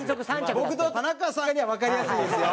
僕と田中さんにはわかりやすいですよ。